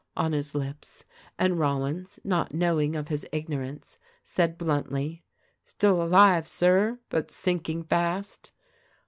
on his lips. And Rollins, not knowing of his ignorance, said bluntly, "Still alive, Sir; but sinking fast."